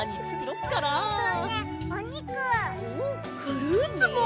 フルーツも！